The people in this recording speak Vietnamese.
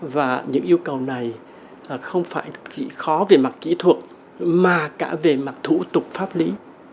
và những yêu cầu này không phải chỉ khó về mặt kỹ thuật mà cả về mặt thủ tục pháp lý